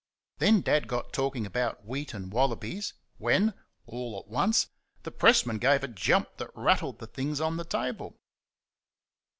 Then Dad got talking about wheat and wallabies when, all at once, the pressman gave a jump that rattled the things on the table.